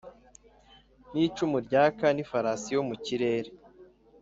n'icumu ryaka n'ifarashi yo mu kirere